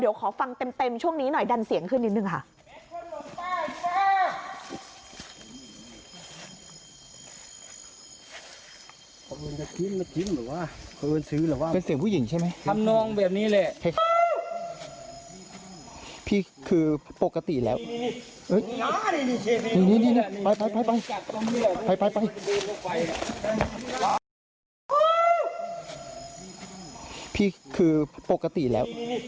เดี๋ยวขอฟังเต็มช่วงนี้หน่อยดันเสียงขึ้นนิดนึงค่ะ